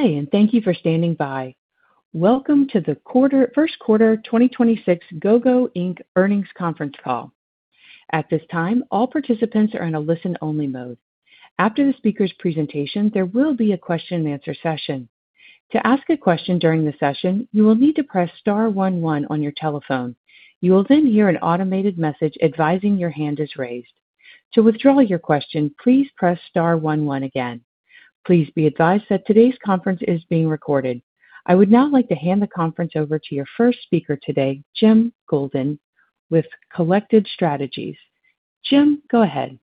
Good day, and thank you for standing by. Welcome to the Q1 2026 Gogo Inc. earnings conference call. At this time, all participants are in a listen-only mode. After the speaker's presentation, there will be a question and answer session. Please be advised that today's conference is being recorded. I would now like to hand the conference over to your first speaker today, Jim Golden, with Collected Strategies. Jim, go ahead.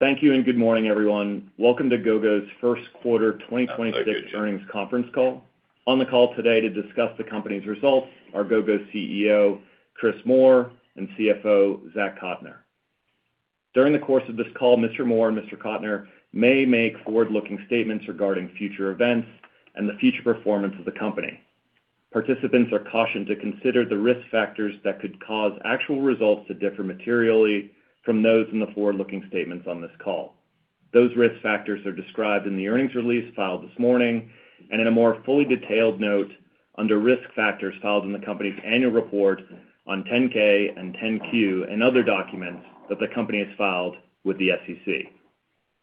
Thank you, good morning, everyone. Welcome to Gogo's Q1 2026 earnings conference call. On the call today to discuss the company's results are Gogo's CEO, Chris Moore, and CFO, Zach Cotner. During the course of this call, Mr. Moore and Mr. Cotner may make forward-looking statements regarding future events and the future performance of the company. Participants are cautioned to consider the risk factors that could cause actual results to differ materially from those in the forward-looking statements on this call. Those risk factors are described in the earnings release filed this morning and in a more fully detailed note under risk factors filed in the company's annual report on 10-K and 10-Q and other documents that the company has filed with the SEC.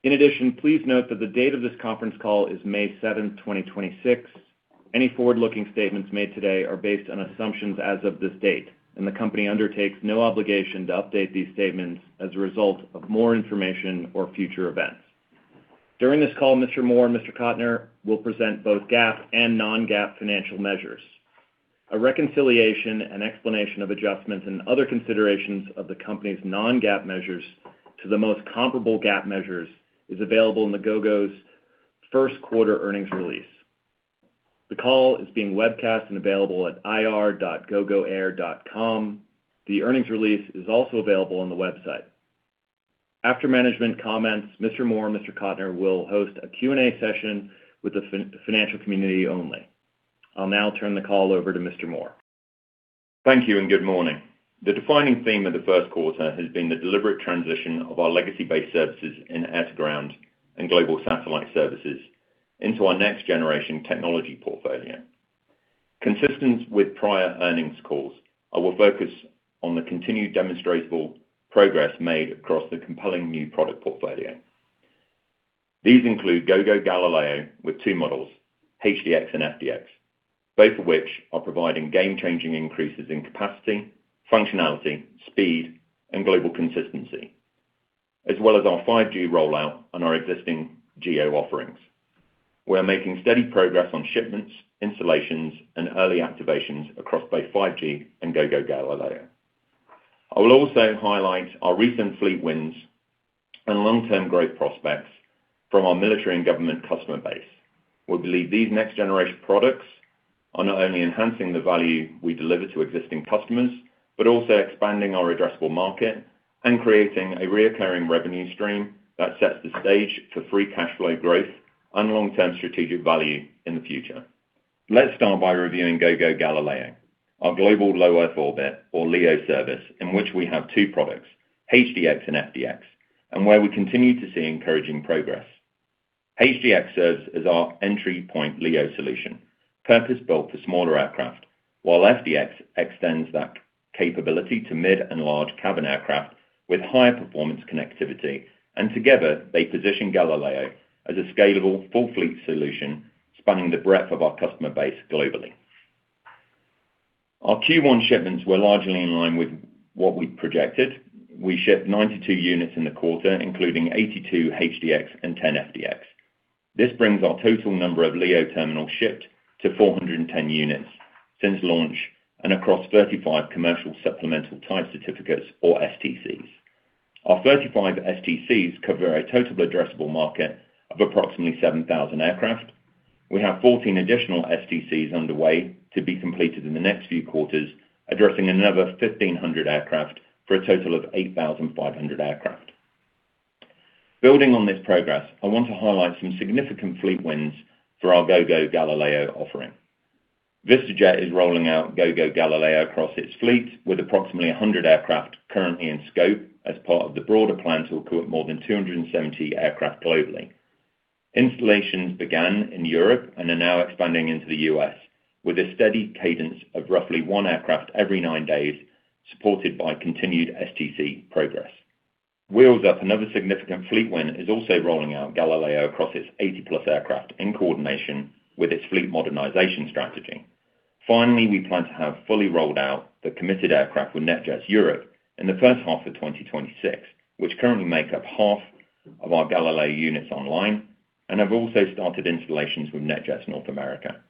Please note that the date of this conference call is May 7, 2026. Any forward-looking statements made today are based on assumptions as of this date, and the company undertakes no obligation to update these statements as a result of more information or future events. During this call, Mr. Moore and Mr. Cotner will present both GAAP and non-GAAP financial measures. A reconciliation and explanation of adjustments and other considerations of the company's non-GAAP measures to the most comparable GAAP measures is available in Gogo's Q1 earnings release. The call is being webcast and available at ir.gogoair.com. The earnings release is also available on the website. After management comments, Mr. Moore and Mr. Cotner will host a Q&A session with the financial community only. I'll now turn the call over to Mr. Moore. Thank you and good morning. The defining theme of the 1st quarter has been the deliberate transition of our legacy-based services in air-to-ground and global satellite services into our next-generation technology portfolio. Consistent with prior earnings calls, I will focus on the continued demonstrable progress made across the compelling new product portfolio. These include Gogo Galileo with two models, HDX and FDX, both of which are providing game-changing increases in capacity, functionality, speed, and global consistency, as well as our 5G rollout on our existing GEO offerings. We're making steady progress on shipments, installations, and early activations across both 5G and Gogo Galileo. I will also highlight our recent fleet wins and long-term growth prospects from our military and government customer base. We believe these next-generation products are not only enhancing the value we deliver to existing customers, but also expanding our addressable market and creating a recurring revenue stream that sets the stage for free cash flow growth and long-term strategic value in the future. Let's start by reviewing Gogo Galileo, our global low-Earth orbit, or LEO service, in which we have two products, HDX and FDX, and where we continue to see encouraging progress. HDX serves as our entry point LEO solution, purpose-built for smaller aircraft, while FDX extends that capability to mid and large cabin aircraft with higher performance connectivity. Together, they position Galileo as a scalable full fleet solution spanning the breadth of our customer base globally. Our Q1 shipments were largely in line with what we projected. We shipped 92 units in the quarter, including 82 HDX and 10 FDX. This brings our total number of LEO terminals shipped to 410 units since launch and across 35 commercial supplemental type certificates or STCs. Our 35 STCs cover a total addressable market of approximately 7,000 aircraft. We have 14 additional STCs underway to be completed in the next few quarters, addressing another 1,500 aircraft for a total of 8,500 aircraft. Building on this progress, I want to highlight some significant fleet wins for our Gogo Galileo offering. VistaJet is rolling out Gogo Galileo across its fleet with approximately 100 aircraft currently in scope as part of the broader plan to equip more than 270 aircraft globally. Installations began in Europe and are now expanding into the U.S. with a steady cadence of roughly one aircraft every nine days, supported by continued STC progress. Wheels Up, another significant fleet win, is also rolling out Galileo across its 80+ aircraft in coordination with its fleet modernization strategy. Finally, we plan to have fully rolled out the committed aircraft with NetJets Europe in the first half of 2026, which currently make up half of our Galileo units online and have also started installations with NetJets North America.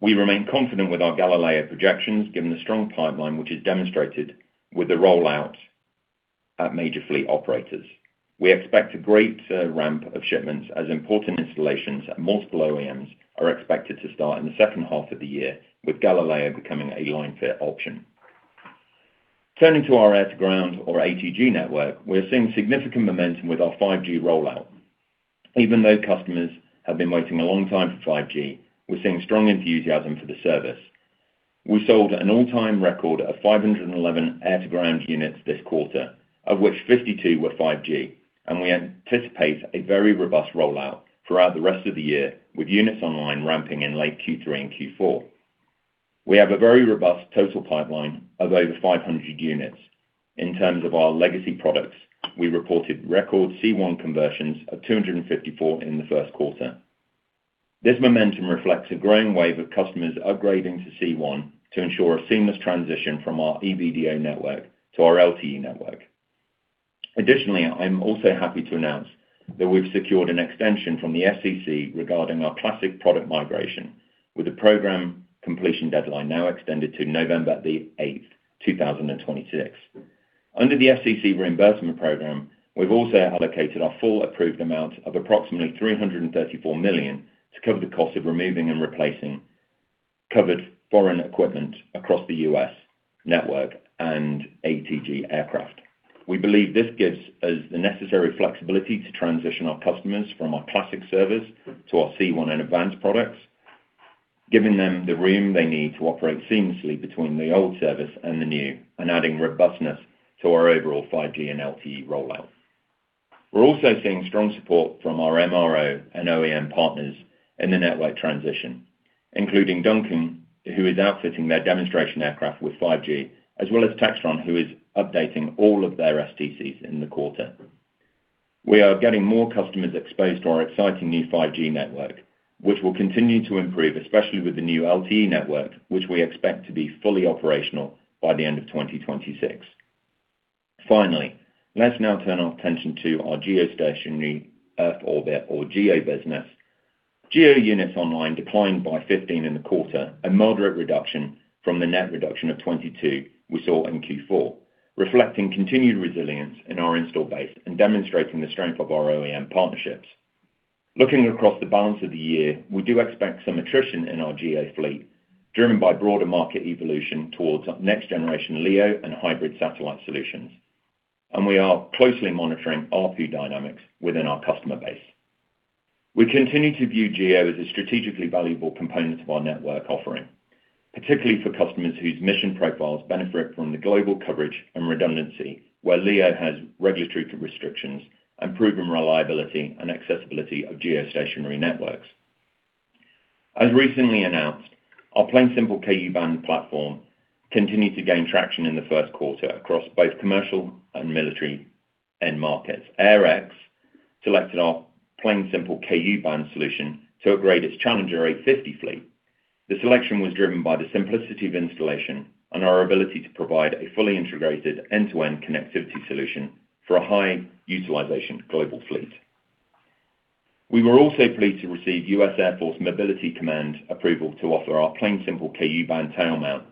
We remain confident with our Galileo projections given the strong pipeline, which is demonstrated with the rollout at major fleet operators. We expect a greater ramp of shipments as important installations at multiple OEMs are expected to start in the second half of the year, with Galileo becoming a line-fit option. Turning to our air-to-ground or ATG network, we're seeing significant momentum with our 5G rollout. Even though customers have been waiting a long time for 5G, we're seeing strong enthusiasm for the service. We sold an all-time record of 511 air-to-ground units this quarter, of which 52 were 5G, and we anticipate a very robust rollout throughout the rest of the year, with units online ramping in late Q3 and Q4. We have a very robust total pipeline of over 500 units. In terms of our legacy products, we reported record C1 conversions of 254 in the Q1. This momentum reflects a growing wave of customers upgrading to C1 to ensure a seamless transition from our EVDO network to our LTE network. Additionally, I'm also happy to announce that we've secured an extension from the FCC regarding our classic product migration, with the program completion deadline now extended to November 8, 2026. Under the FCC reimbursement program, we've also allocated our full approved amount of approximately $334 million to cover the cost of removing and replacing covered foreign equipment across the U.S. network and ATG aircraft. We believe this gives us the necessary flexibility to transition our customers from our classic service to our C1 and advanced products, giving them the room they need to operate seamlessly between the old service and the new, and adding robustness to our overall 5G and LTE rollout. We're also seeing strong support from our MRO and OEM partners in the network transition, including Duncan, who is outfitting their demonstration aircraft with 5G, as well as Textron, who is updating all of their STCs in the quarter. We are getting more customers exposed to our exciting new 5G network, which will continue to improve, especially with the new LTE network, which we expect to be fully operational by the end of 2026. Finally, let's now turn our attention to our geostationary Earth orbit or GEO business. GEO units online declined by 15 in the quarter, a moderate reduction from the net reduction of 22 we saw in Q4, reflecting continued resilience in our install base and demonstrating the strength of our OEM partnerships. Looking across the balance of the year, we do expect some attrition in our GA fleet, driven by broader market evolution towards next generation LEO and hybrid satellite solutions. We are closely monitoring RFU dynamics within our customer base. We continue to view GEO as a strategically valuable component of our network offering, particularly for customers whose mission profiles benefit from the global coverage and redundancy, where LEO has regulatory restrictions and proven reliability and accessibility of geostationary networks. As recently announced, our Plane Simple Ku-band platform continued to gain traction in the first quarter across both commercial and military end markets. AirX selected our Plane Simple Ku-band solution to upgrade its Challenger 850 fleet. The selection was driven by the simplicity of installation and our ability to provide a fully integrated end-to-end connectivity solution for a high utilization global fleet. We were also pleased to receive U.S. Air Force Mobility Command approval to offer our Plane Simple Ku-band tail mount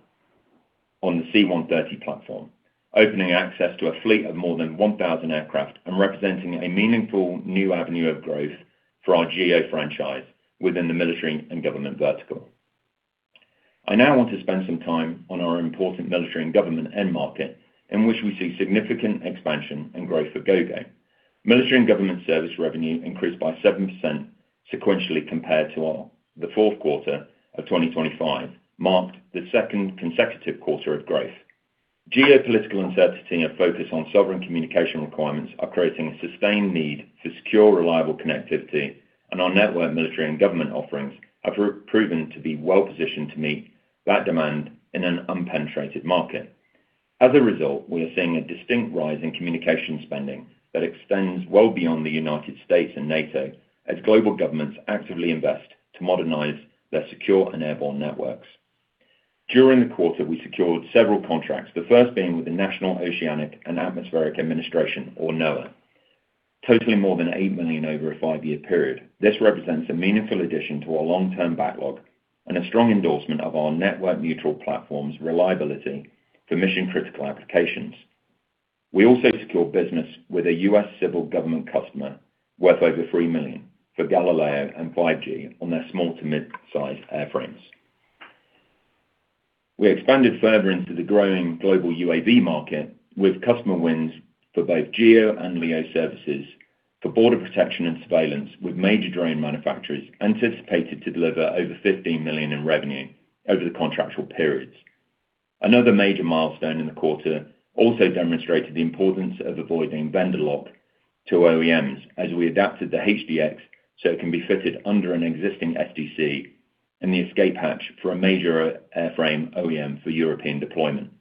on the C-130 platform, opening access to a fleet of more than 1,000 aircraft and representing a meaningful new avenue of growth for our GEO franchise within the military and government vertical. I now want to spend some time on our important military and government end market, in which we see significant expansion and growth for Gogo. Military and government service revenue increased by 7% sequentially compared to the Q4 of 2025, marked the second consecutive quarter of growth. Geopolitical uncertainty and focus on sovereign communication requirements are creating a sustained need for secure, reliable connectivity. Our network military and government offerings have proven to be well-positioned to meet that demand in an unpenetrated market. As a result, we are seeing a distinct rise in communication spending that extends well beyond the U.S. and NATO as global governments actively invest to modernize their secure and airborne networks. During the quarter, we secured several contracts, the first being with the National Oceanic and Atmospheric Administration, or NOAA, totaling more than $8 million over a five-year period. This represents a meaningful addition to our long-term backlog and a strong endorsement of our network neutral platform's reliability for mission-critical applications. We also secured business with a U.S. civil government customer worth over $3 million for Galileo and 5G on their small to mid-size airframes. We expanded further into the growing global UAV market with customer wins for both GEO and LEO services for border protection and surveillance, with major drone manufacturers anticipated to deliver over $15 million in revenue over the contractual periods. Another major milestone in the quarter also demonstrated the importance of avoiding vendor lock to OEMs, as we adapted the HDX so it can be fitted under an existing STC and the escape hatch for a major airframe OEM for European deployment.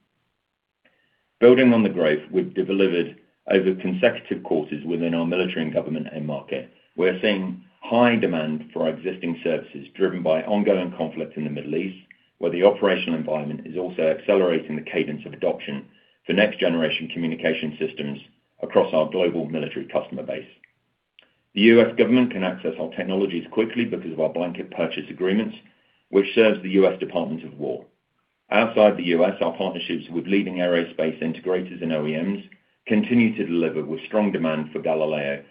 Building on the growth we've delivered over consecutive quarters within our military and government end market, we're seeing high demand for our existing services driven by ongoing conflict in the Middle East, where the operational environment is also accelerating the cadence of adoption for next generation communication systems across our global military customer base. The U.S. government can access our technologies quickly because of our blanket purchase agreements, which serves the U.S. Department of War. Outside the U.S., our partnerships with leading aerospace integrators and OEMs continue to deliver with strong demand for Galileo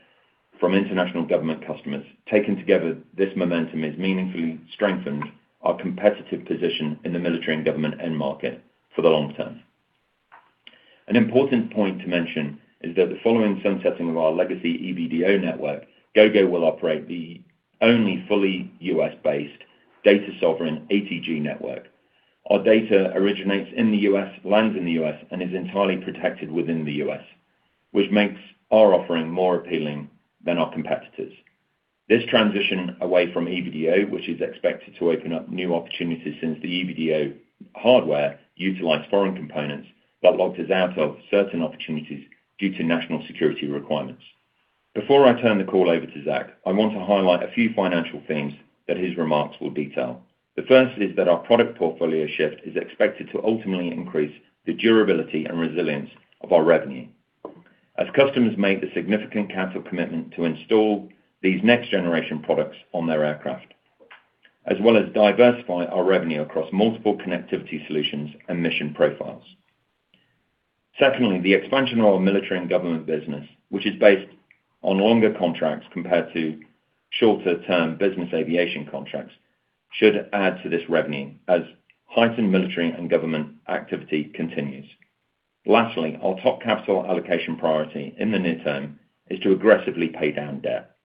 from international government customers. Taken together, this momentum has meaningfully strengthened our competitive position in the military and government end market for the long term. An important point to mention is that the following sunsetting of our legacy EVDO network, Gogo will operate the only fully U.S.-based data sovereign ATG network. Our data originates in the U.S., lands in the U.S., and is entirely protected within the U.S., which makes our offering more appealing than our competitors. This transition away from EVDO, which is expected to open up new opportunities since the EVDO hardware utilized foreign components that locked us out of certain opportunities due to national security requirements. Before I turn the call over to Zach Cotner, I want to highlight a few financial themes that his remarks will detail. The first is that our product portfolio shift is expected to ultimately increase the durability and resilience of our revenue as customers make the significant capital commitment to install these next-generation products on their aircraft, as well as diversify our revenue across multiple connectivity solutions and mission profiles. Secondly, the expansion of our military and government business, which is based on longer contracts compared to shorter-term business aviation contracts, should add to this revenue as heightened military and government activity continues. Lastly, our top capital allocation priority in the near term is to aggressively pay down debt.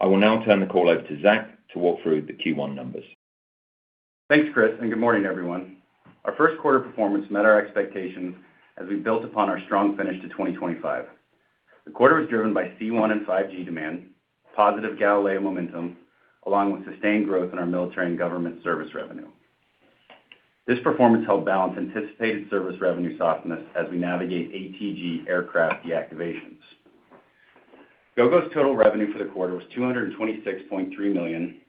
I will now turn the call over to Zach to walk through the Q1 numbers. Thanks, Chris Moore. Good morning, everyone. Our Q1 performance met our expectations as we built upon our strong finish to 2025. The quarter was driven by Gogo C1 and 5G demand, positive Galileo momentum, along with sustained growth in our military and government service revenue. This performance helped balance anticipated service revenue softness as we navigate ATG aircraft deactivations. Gogo's total revenue for the quarter was $226.3 million,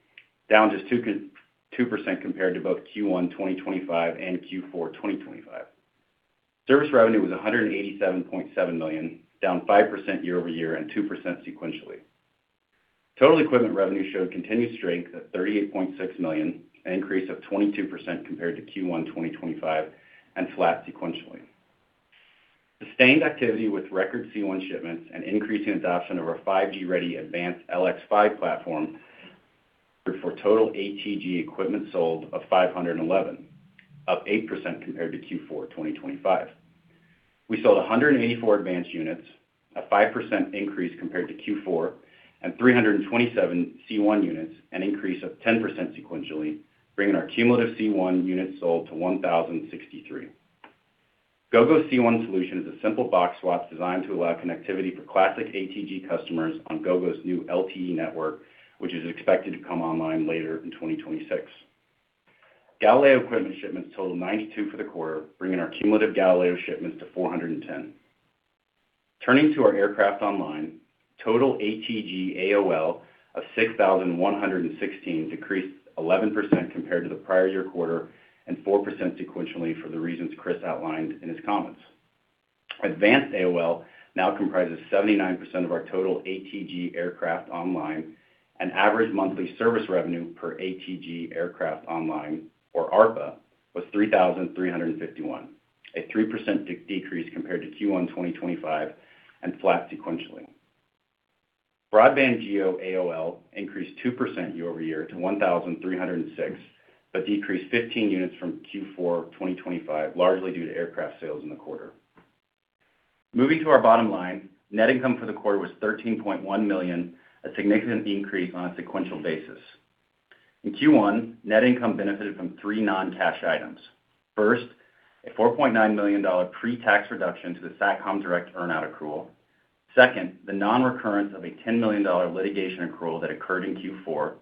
down just 2% compared to both Q1 2025 and Q4 2025. Service revenue was $187.7 million, down 5% year-over-year and 2% sequentially. Total equipment revenue showed continued strength at $38.6 million, an increase of 22% compared to Q1 2025 and flat sequentially. Sustained activity with record C1 shipments and increasing adoption of our 5G-ready AVANCE L5 platform for total ATG equipment sold of 511, up 8% compared to Q4 2025. We sold 184 AVANCE units, a 5% increase compared to Q4, and 327 C1 units, an increase of 10% sequentially, bringing our cumulative C1 units sold to 1,063. Gogo's C1 solution is a simple box swap designed to allow connectivity for classic ATG customers on Gogo's new LTE network, which is expected to come online later in 2026. Galileo equipment shipments totaled 92 for the quarter, bringing our cumulative Galileo shipments to 410. Turning to our aircraft online, total ATG AOL of 6,116 decreased 11% compared to the prior year quarter and 4% sequentially for the reasons Chris outlined in his comments. Advanced AOL now comprises 79% of our total ATG aircraft online and average monthly service revenue per ATG aircraft online or ARPA was $3,351, a 3% decrease compared to Q1 2025 and flat sequentially. Broadband GEO AOL increased 2% year-over-year to 1,306, but decreased 15 units from Q4 2025, largely due to aircraft sales in the quarter. Moving to our bottom line, net income for the quarter was $13.1 million, a significant increase on a sequential basis. In Q1, net income benefited from three non-cash items. First, a $4.9 million pre-tax reduction to the Satcom Direct earn-out accrual. Second, the non-recurrence of a $10 million litigation accrual that occurred in Q4.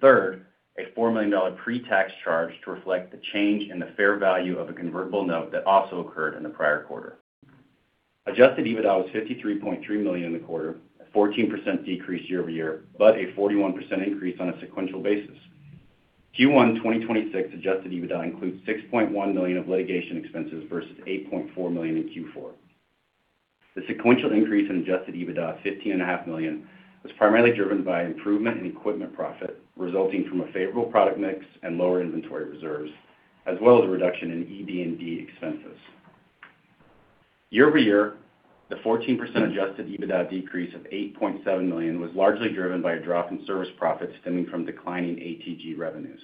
Third, a $4 million pre-tax charge to reflect the change in the fair value of a convertible note that also occurred in the prior quarter. Adjusted EBITDA was $53.3 million in the quarter, a 14% decrease year-over-year, but a 41% increase on a sequential basis. Q1 2026 Adjusted EBITDA includes $6.1 million of litigation expenses versus $8.4 million in Q4. The sequential increase in Adjusted EBITDA of $15.5 million was primarily driven by improvement in equipment profit resulting from a favorable product mix and lower inventory reserves, as well as a reduction in ED&D expenses. Year-over-year, the 14% adjusted EBITDA decrease of $8.7 million was largely driven by a drop in service profits stemming from declining ATG revenues.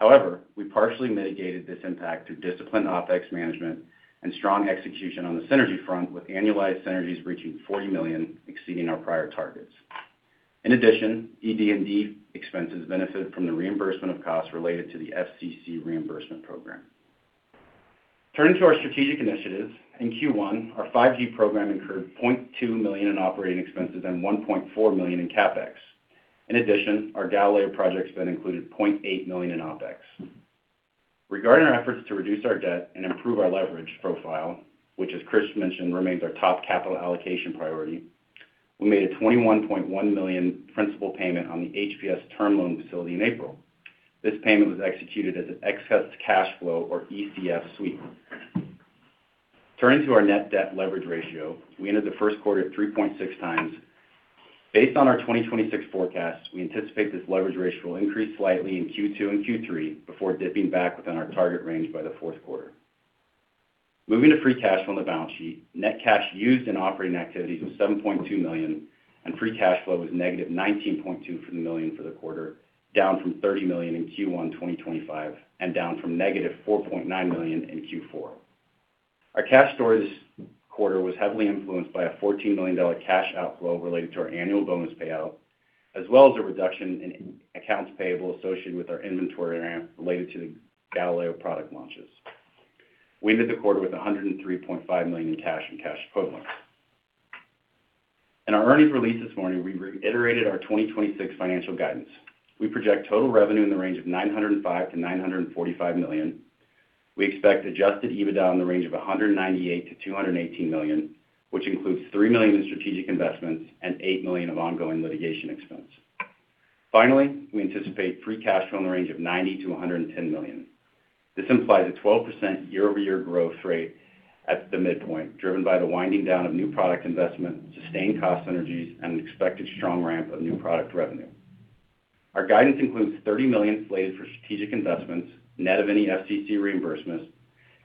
However, we partially mitigated this impact through disciplined OpEx management and strong execution on the synergy front, with annualized synergies reaching $40 million, exceeding our prior targets. In addition, ED&D expenses benefited from the reimbursement of costs related to the FCC reimbursement program. Turning to our strategic initiatives, in Q1, our 5G program incurred $0.2 million in operating expenses and $1.4 million in CapEx. In addition, our Galileo projects then included $0.8 million in OpEx. Regarding our efforts to reduce our debt and improve our leverage profile, which as Chris Moore mentioned, remains our top capital allocation priority, we made a $21.1 million principal payment on the HPS term loan facility in April. This payment was executed as an excess cash flow or ECF sweep. Turning to our net debt leverage ratio, we ended the first quarter at 3.6x. Based on our 2026 forecast, we anticipate this leverage ratio will increase slightly in Q2 and Q3 before dipping back within our target range by the Q4. Moving to free cash flow on the balance sheet, net cash used in operating activities was $7.2 million, and free cash flow was negative $19.2 million for the quarter, down from $30 million in Q1 2025 and down from -$4.9 million in Q4. Our cash story this quarter was heavily influenced by a $14 million cash outflow related to our annual bonus payout, as well as a reduction in accounts payable associated with our inventory ramp related to the Gogo Galileo product launches. We ended the quarter with $103.5 million in cash and cash equivalents. In our earnings release this morning, we reiterated our 2026 financial guidance. We project total revenue in the range of $905 million-$945 million. We expect adjusted EBITDA in the range of $198 million-$218 million, which includes $3 million in strategic investments and $8 million of ongoing litigation expense. Finally, we anticipate free cash flow in the range of $90 million-$110 million. This implies a 12% year-over-year growth rate at the midpoint, driven by the winding down of new product investment, sustained cost synergies, and an expected strong ramp of new product revenue. Our guidance includes $30 million slated for strategic investments, net of any FCC reimbursements,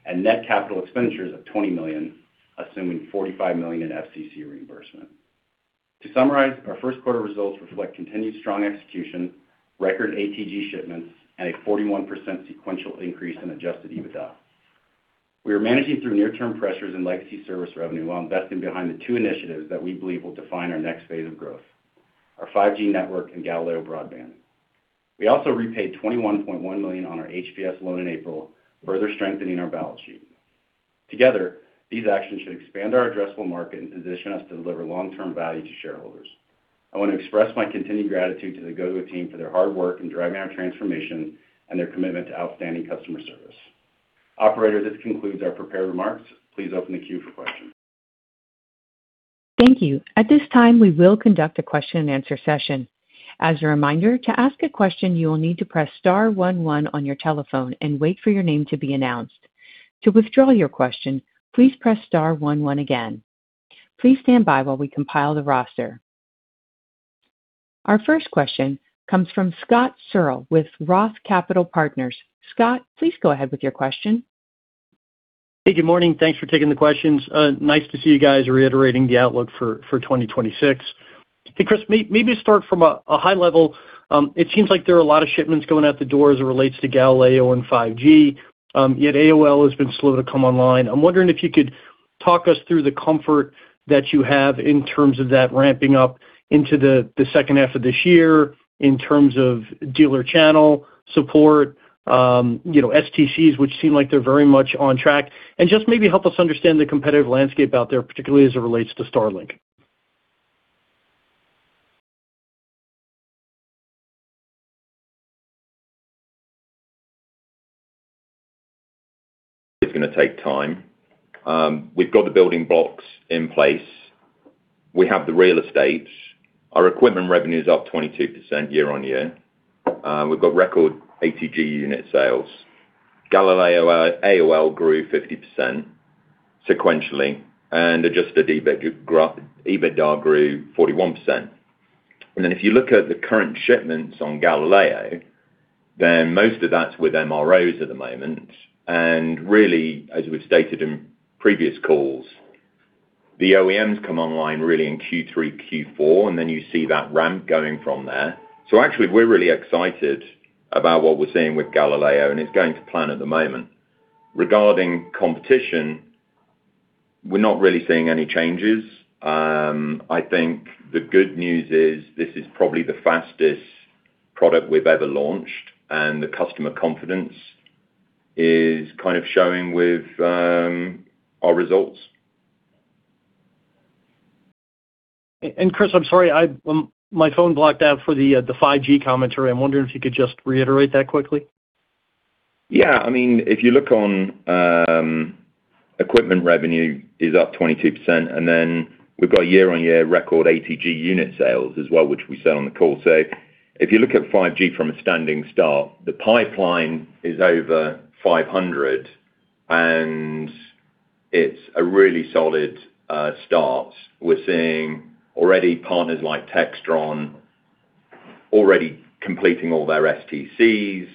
and net capital expenditures of $20 million, assuming $45 million in FCC reimbursement. To summarize, our Q1 results reflect continued strong execution, record ATG shipments, and a 41% sequential increase in adjusted EBITDA. We are managing through near-term pressures in legacy service revenue while investing behind the two initiatives that we believe will define our next phase of growth, our 5G network and Galileo broadband. We also repaid $21.1 million on our HPS loan in April, further strengthening our balance sheet. Together, these actions should expand our addressable market and position us to deliver long-term value to shareholders. I want to express my continued gratitude to the Gogo team for their hard work in driving our transformation and their commitment to outstanding customer service. Operator, this concludes our prepared remarks. Please open the queue for questions Thank you. At this time, we will conduct a question and answer session. Our first question comes from Scott Searle with Roth Capital Partners. Scott, please go ahead with your question. Hey, good morning. Thanks for taking the questions. Nice to see you guys reiterating the outlook for 2026. Hey, Chris Moore, maybe start from a high level. It seems like there are a lot of shipments going out the door as it relates to Galileo and 5G, yet ARPA has been slow to come online. I'm wondering if you could talk us through the comfort that you have in terms of that ramping up into the H2 of this year in terms of dealer channel support, you know, STCs, which seem like they're very much on track, and just maybe help us understand the competitive landscape out there, particularly as it relates to Starlink. It's gonna take time. We've got the building blocks in place. We have the real estate. Our equipment revenue is up 22% year-on-year. We've got record ATG unit sales. Galileo, ARPA grew 50% sequentially, and adjusted EBITDA grew 41%. If you look at the current shipments on Galileo, most of that's with MROs at the moment. Really, as we've stated in previous calls, the OEMs come online really in Q3, Q4, and you see that ramp going from there. Actually, we're really excited about what we're seeing with Galileo, and it's going to plan at the moment. Regarding competition, we're not really seeing any changes. I think the good news is this is probably the fastest product we've ever launched, and the customer confidence is kind of showing with our results. Chris, I'm sorry, my phone blocked out for the 5G commentary. I'm wondering if you could just reiterate that quickly. I mean, if you look on equipment revenue is up 22%, and then we've got year-on-year record ATG unit sales as well, which we said on the call. If you look at 5G from a standing start, the pipeline is over 500, and it's a really solid start. We're seeing already partners like Textron already completing all their STCs.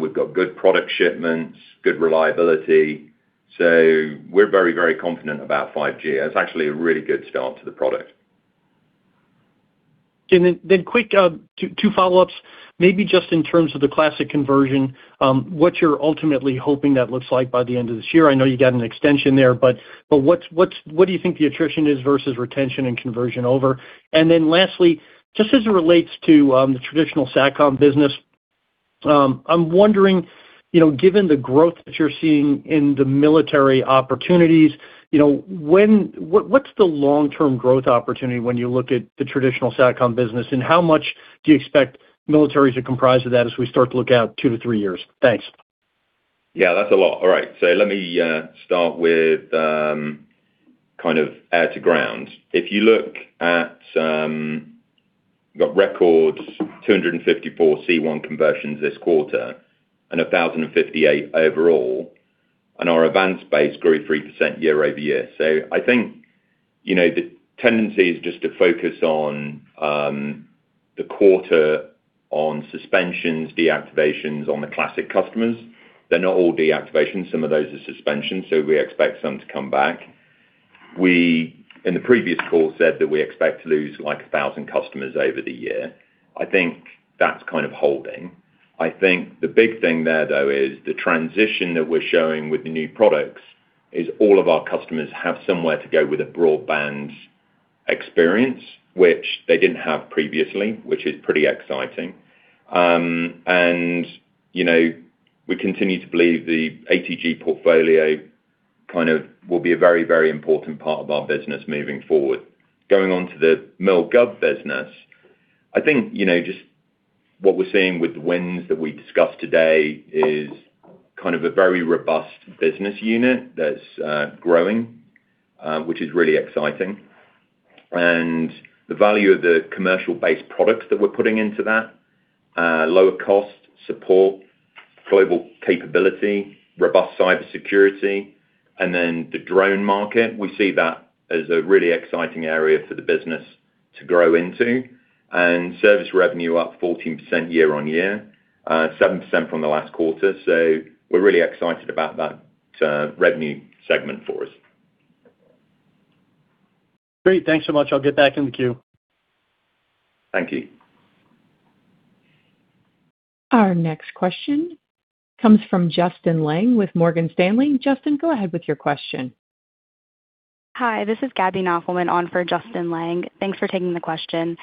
We've got good product shipments, good reliability. We're very confident about 5G. It's actually a really good start to the product. Quick, two follow-ups, maybe just in terms of the classic conversion, what you're ultimately hoping that looks like by the end of this year. I know you got an extension there, but what do you think the attrition is versus retention and conversion over? Lastly, just as it relates to the traditional SatCom business, I'm wondering, you know, given the growth that you're seeing in the military opportunities, you know, what's the long-term growth opportunity when you look at the traditional SatCom business? How much do you expect military to comprise of that as we start to look out 2 years to 3 years? Thanks. Yeah, that's a lot. All right. Let me start with kind of air to ground. If you look at, we've got record 254 C-1 conversions this quarter and 1,058 overall, and our AVANCE base grew 3% year-over-year. I think, you know, the tendency is just to focus on the quarter on suspensions, deactivations on the classic customers. They're not all deactivations. Some of those are suspensions, so we expect some to come back. We, in the previous call, said that we expect to lose, like, 1,000 customers over the year. I think that's kind of holding. I think the big thing there, though, is the transition that we're showing with the new products is all of our customers have somewhere to go with a broadband experience, which they didn't have previously, which is pretty exciting. You know, we continue to believe the ATG portfolio kind of will be a very, very important part of our business moving forward. Going on to the mil gov business, I think, you know, just what we're seeing with the wins that we discussed today is kind of a very robust business unit that's growing, which is really exciting. The value of the commercial-based products that we're putting into that, lower cost, support, global capability, robust cybersecurity, and then the drone market, we see that as a really exciting area for the business to grow into. Service revenue up 14% year-on-year, 7% from the last quarter. We're really excited about that revenue segment for us. Great. Thanks so much. I'll get back in the queue. Thank you. Our next question comes from Justin Lang with Morgan Stanley. Justin, go ahead with your question. Hi, this is Gabrielle Knafelman on for Justin Lang. Thanks for taking the question.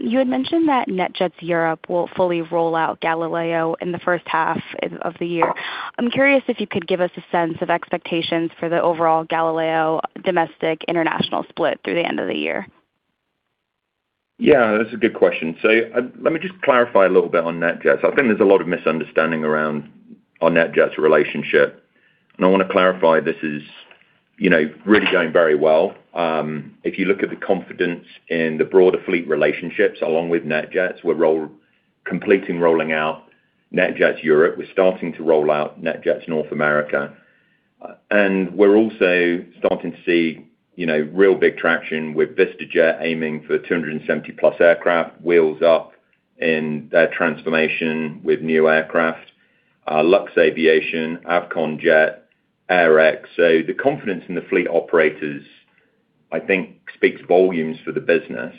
You had mentioned that NetJets Europe will fully roll out Galileo in the first half of the year. I'm curious if you could give us a sense of expectations for the overall Galileo domestic international split through the end of the year. That's a good question. Let me just clarify a little bit on NetJets. I think there's a lot of misunderstanding around our NetJets relationship, and I wanna clarify this is, you know, really going very well. If you look at the confidence in the broader fleet relationships along with NetJets, we're completing rolling out NetJets Europe. We're starting to roll out NetJets North America. We're also starting to see, you know, real big traction with VistaJet aiming for 270+ aircraft, Wheels Up in their transformation with new aircraft, Luxaviation, Avcon Jet, AirX. The confidence in the fleet operators, I think, speaks volumes for the business.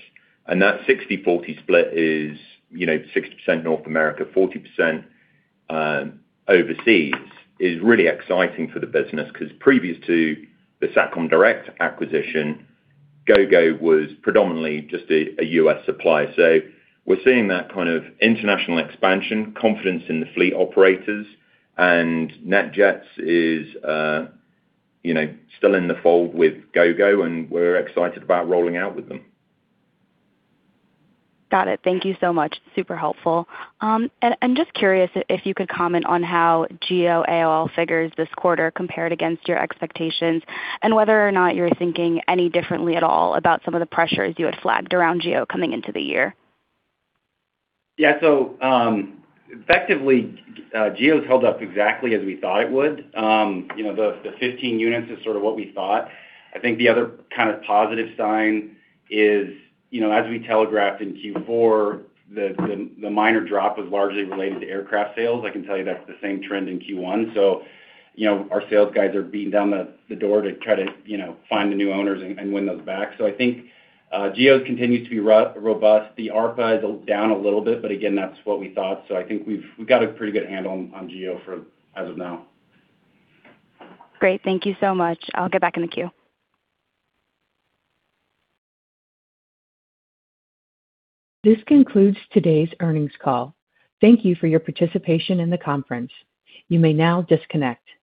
That 60/40 split is, you know, 60% North America, 40% overseas, is really exciting for the business, 'cause previous to the Satcom Direct acquisition, Gogo was predominantly just a U.S. supplier. We're seeing that kind of international expansion, confidence in the fleet operators, and NetJets is, you know, still in the fold with Gogo, and we're excited about rolling out with them. Got it. Thank you so much. Super helpful. I'm just curious if you could comment on how GEO AOL figures this quarter compared against your expectations and whether or not you're thinking any differently at all about some of the pressures you had flagged around GEO coming into the year. Effectively, GEO held up exactly as we thought it would. You know, the 15 units is sort of what we thought. I think the other kind of positive sign is, you know, as we telegraphed in Q4, the minor drop was largely related to aircraft sales. I can tell you that's the same trend in Q1. You know, our sales guys are beating down the door to try to, you know, find the new owners and win those back. I think GEO continues to be robust. The ARPA guide is down a little bit, but again, that's what we thought. I think we've got a pretty good handle on GEO for as of now. Great. Thank you so much. I'll get back in the queue. This concludes today's earnings call. Thank you for your participation in the conference. You may now disconnect.